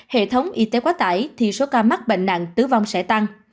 hệ thống y tế quá tải thì số ca mắc bệnh nặng tử vong sẽ tăng